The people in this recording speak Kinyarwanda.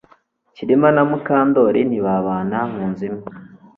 Kirima na Mukandoli ntibabana mu nzu imwe